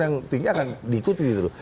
yang tinggi akan diikut gitu